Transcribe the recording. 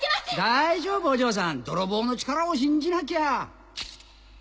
大丈夫お嬢さん泥棒の力を信じなきゃ。